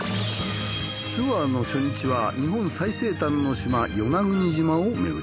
ツアーの初日は日本最西端の島与那国島を巡ります。